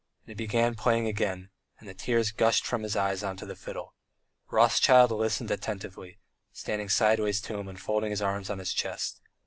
And he began playing again, and the tears gushed from his eyes on to the fiddle. Rothschild listened attentively, standing sideways to him and folding his arms on his chest.